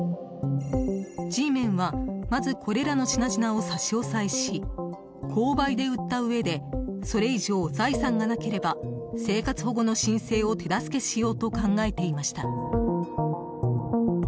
Ｇメンは、まずこれらの品々を差し押さえし公売で売ったうえでそれ以上財産がなければ生活保護の申請を手助けしようと考えていました。